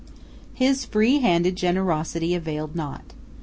His free handed generosity availed naught.